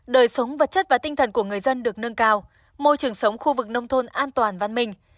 đời sống vật chất và tinh thần của người dân được nâng cao môi trường sống khu vực nông thôn an toàn văn minh